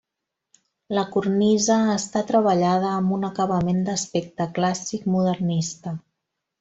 La cornisa està treballada amb un acabament d'aspecte clàssic modernista.